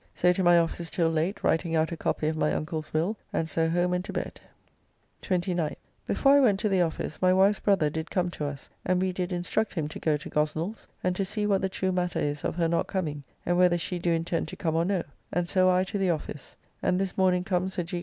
So to my office till late writing out a copy of my uncle's will, and so home and to bed. 29th. Before I went to the office my wife's brother did come to us, and we did instruct him to go to Gosnell's and to see what the true matter is of her not coming, and whether she do intend to come or no, and so I to the office; and this morning come Sir G.